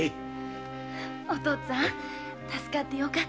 お父っつぁん助かってよかったね。